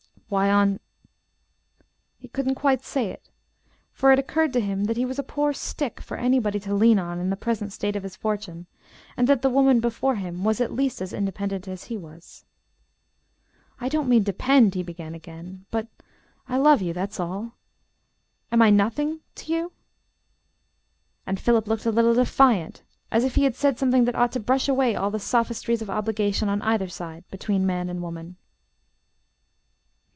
"Why, on " he couldn't quite say it, for it occurred to him that he was a poor stick for any body to lean on in the present state of his fortune, and that the woman before him was at least as independent as he was. "I don't mean depend," he began again. "But I love you, that's all. Am I nothing to you?" And Philip looked a little defiant, and as if he had said something that ought to brush away all the sophistries of obligation on either side, between man and woman.